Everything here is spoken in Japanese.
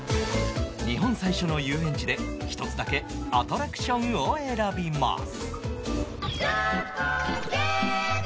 日本最初の遊園地で１つだけアトラクションを選びます